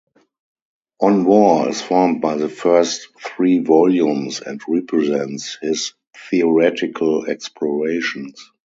"On War" is formed by the first three volumes and represents his theoretical explorations.